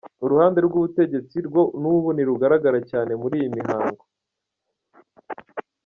Uruhande rw'ubutegetsi rwo n'ubu ntirugaragara cyane muri iyi mihango.